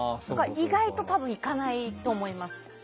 意外と多分いかないと思います。